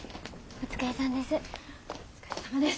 お疲れさまです。